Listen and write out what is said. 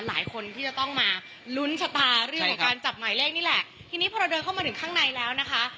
หลายคนที่จะต้องมาลุ้นชะตาเรื่องของการจับหมายเลขนี่แหละทีนี้พอเราเดินเข้ามาถึงข้างในแล้วนะคะ